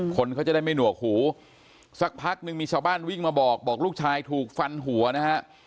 คนเขาจะได้ไม่หนวกหูสักพักนึงมีชาวบ้านวิ่งมาบอกบอกลูกชายถูกฟันหัวนะฮะ